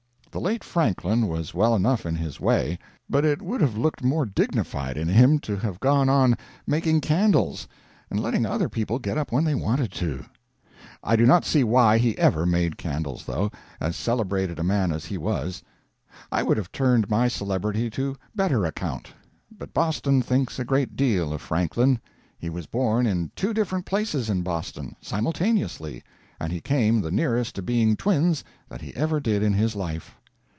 The late Franklin was well enough in his way; but it would have looked more dignified in him to have gone on making candles and letting other people get up when they wanted to. I do not see why he ever made candles, though—as celebrated a man as he was. I would have turned my celebrity to better account. But Boston thinks a great deal of Franklin. He was born in two different places in Boston, simultaneously, and he came the nearest to being twins that he ever did in his life.